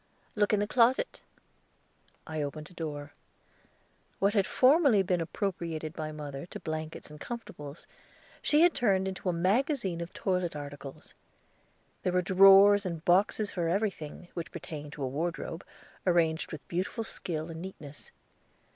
"Look in the closet." I opened a door. What had formerly been appropriated by mother to blankets and comfortables, she had turned into a magazine of toilet articles. There were drawers and boxes for everything which pertained to a wardrobe, arranged with beautiful skill and neatness.